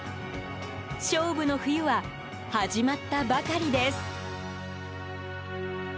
勝負の冬は始まったばかりです。